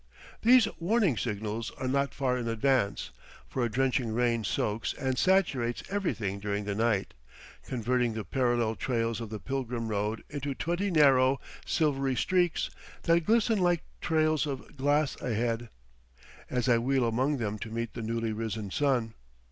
These warning signals are not far in advance, for a drenching rain soaks and saturates everything during the night, converting the parallel trails of the pilgrim road into twenty narrow, silvery streaks, that glisten like trails of glass ahead, as I wheel along them to meet the newly risen sun.